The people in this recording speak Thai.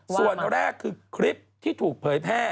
ส่วนแรกคือคลิปที่ถูกเผยแพร่